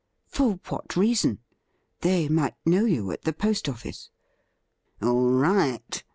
' For what reason .'' They might know you at the post office.' ' All right.